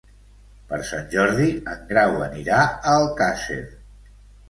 Per Sant Jordi en Grau anirà a Alcàsser.